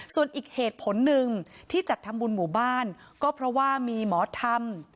ส่วนอีกเหตุผลหนึ่งที่จัดทำบุญหมู่บ้านก็เพราะว่ามีหมอธรรม